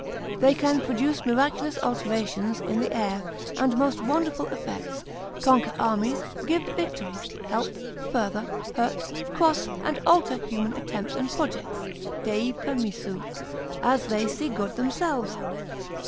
They can produce miraculous alterations in the air, and most wonderful effects, conquer armies, give victories, help, further, hurt, cross and alter human attempts and projects (Dei permissu) as they see good themselves.